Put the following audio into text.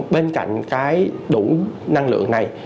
bên cạnh cái đủ năng lượng này